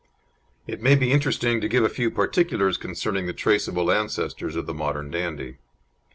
It may be interesting to give a few particulars concerning the traceable ancestors of the modern Dandie.